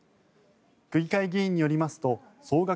区議会議員によりますと総額